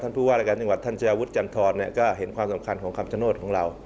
ผู้ว่ารายการจังหวัดท่านชายวุฒิจันทรก็เห็นความสำคัญของคำชโนธของเรา